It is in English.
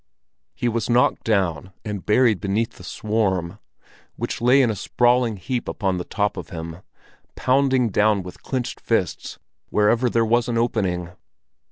He was knocked down and buried beneath the swarm, which lay in a sprawling heap upon the top of him, pounding down with clenched fists wherever there was an opening.